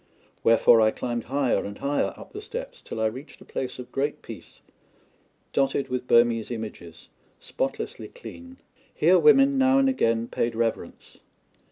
Wherefore I climbed higher and higher up the steps till I reached a place of great peace, dotted with Burmese images, spotlessly clean. Here women now and again paid reverence.